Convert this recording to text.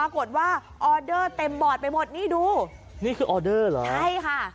ออเดอร์เต็มบอร์ดไปหมดนี่ดูนี่คือออเดอร์เหรอใช่ค่ะ